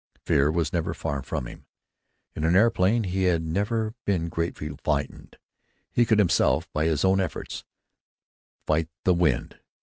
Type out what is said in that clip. Fear was never far from him. In an aeroplane he had never been greatly frightened; he could himself, by his own efforts, fight the wind.